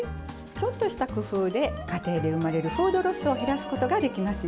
ちょっとした工夫で家庭で生まれるフードロスを減らすことができますよ。